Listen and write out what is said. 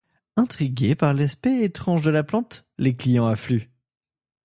Intrigués par l'aspect étrange de la plante, les clients affluent.